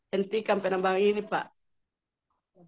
hentikan penambangan ini pak